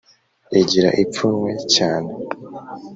igira ipfunwe cyane